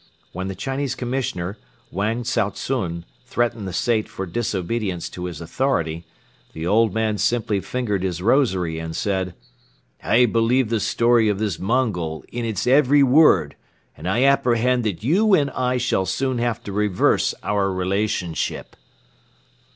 When the Chinese Commissioner, Wang Tsao tsun, threatened the Sait for disobedience to his authority, the old man simply fingered his rosary and said: "I believe the story of this Mongol in its every word and I apprehend that you and I shall soon have to reverse our relationship."